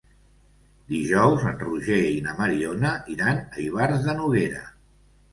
Dijous en Roger i na Mariona iran a Ivars de Noguera.